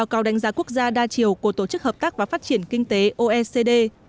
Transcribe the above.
ông reelander là một trong những quốc gia đa chiều của tổ chức hợp tác và phát triển kinh tế oecd